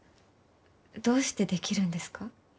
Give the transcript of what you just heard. どうしてできるんですか？